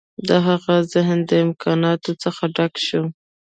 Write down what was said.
د هغه ذهن د امکاناتو څخه ډک شو